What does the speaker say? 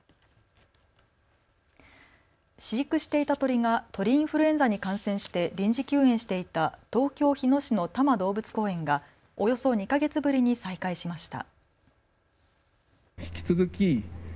飼育していた鳥が鳥インフルエンザに感染して臨時休園していた東京日野市の多摩動物公園がおよそ２か月ぶりに再開しました。